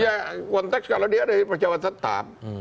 ya konteks kalau dia dari pejabat tetap